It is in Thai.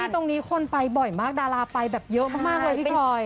ตรงนี้คนไปบ่อยมากดาราไปแบบเยอะมากเลยพี่พลอย